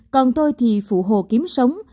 còn tôi thì phụ hồ kiếm sống